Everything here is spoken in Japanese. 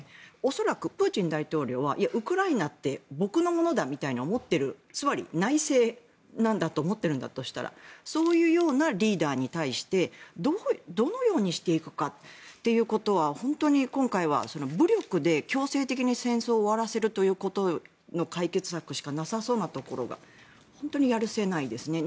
恐らくプーチン大統領はいや、ウクライナって僕のものだみたいに思っているつまり、内政なんだと思っているんだとしたらそういうようなリーダーに対してどのようにしていくかということは本当に今回は武力で強制的に戦争を終わらせるという解決策しかなさそうなところが本当にやるせないですね。